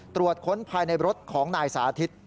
ตรวจค้นภายในรถของนายสาธิต